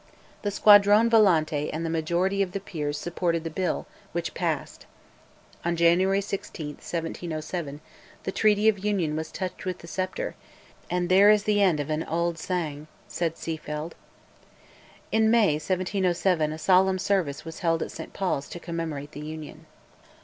The Squadrone volante and the majority of the peers supported the Bill, which was passed. On January 16, 1707, the Treaty of Union was touched with the sceptre, "and there is the end of an auld sang," said Seafield. In May 1707 a solemn service was held at St Paul's to commemorate the Union.